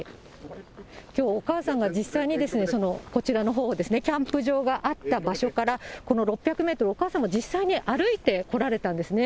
きょう、お母さんが実際にこちらのほう、キャンプ場があった場所から、この６００メートル、お母さんも実際に歩いてこられたんですね。